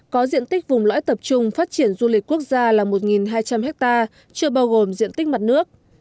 có diện tích vùng lõi tập trung phát triển du lịch quốc gia là một hai trăm linh ha chưa bao gồm diện tích mặt nước